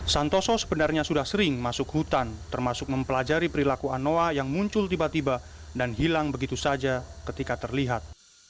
santoso sebenarnya sudah sering masuk hutan termasuk mempelajari perilaku anoa yang muncul tiba tiba dan hilang begitu saja ketika terlihat